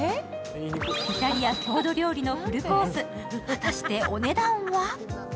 イタリアの郷土料理のフルコース果たしてお値段は？